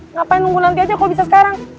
ngapain nunggu nanti aja kok bisa sekarang